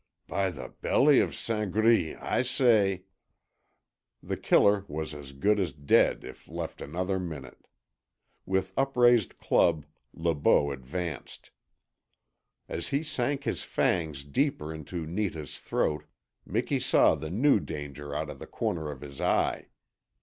By the belly of Saint Gris, I say " The Killer was as good as dead if left another minute. With upraised club Le Beau advanced. As he sank his fangs deeper into Netah's throat Miki saw the new danger out of the corner of his eye.